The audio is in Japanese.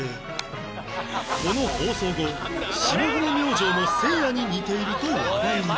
この放送後霜降り明星のせいやに似ていると話題に